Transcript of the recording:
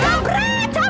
bukan yang loyang